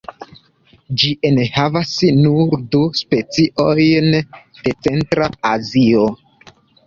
Ĝi enhavas nur du speciojn de centra Azio.